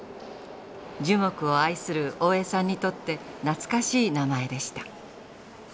樹木を愛する大江さんにとって懐かしい名前でした。